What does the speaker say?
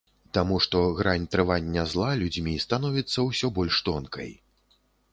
Таму што грань трывання зла людзьмі становіцца ўсё больш тонкай.